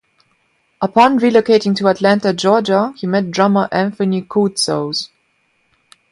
Upon relocating to Atlanta, Georgia, he met drummer Anthony Koutsos.